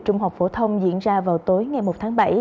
trung học phổ thông diễn ra vào tối ngày một tháng bảy